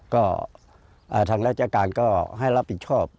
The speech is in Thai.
ก็ทางราชการก็ให้รับผิดชอบ